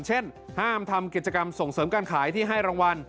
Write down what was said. เช่นห้ามทำกิจกรรมส่งเสริมการขายที่ให้รางวัล